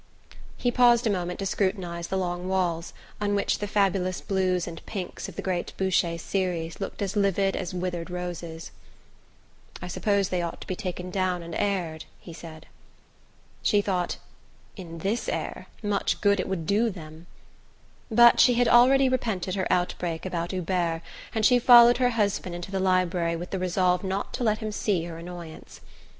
He paused a moment to scrutinize the long walls, on which the fabulous blues and pinks of the great Boucher series looked as livid as withered roses. "I suppose they ought to be taken down and aired," he said. She thought: "In THIS air much good it would do them!" But she had already repented her outbreak about Hubert, and she followed her husband into the library with the resolve not to let him see her annoyance.